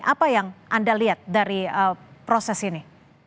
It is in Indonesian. apa yang anda lihat dari proses ini